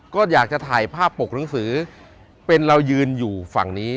ก็อยากจะถ่ายภาพปกหนังสือเป็นเรายืนอยู่ฝั่งนี้